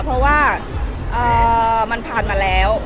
เพราะว่ามันผ่านมาแล้ว